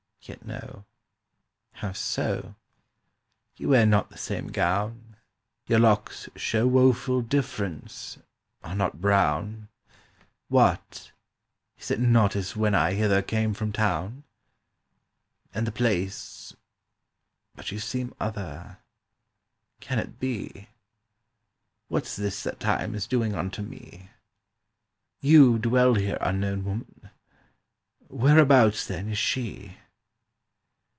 "Yet no. How so? You wear not The same gown, Your locks show woful difference, Are not brown: What, is it not as when I hither came from town? "And the place ... But you seem other— Can it be? What's this that Time is doing Unto me? You dwell here, unknown woman? ... Whereabouts, then, is she?